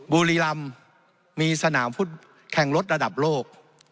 บุรีรัมม์มีสนามแข่งรถระดับโลก